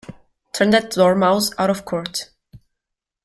Turn that Dormouse out of court!